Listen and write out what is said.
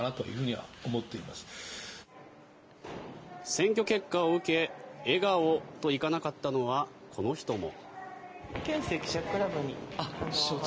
選挙結果を受け笑顔と行かなかったのはこの人も。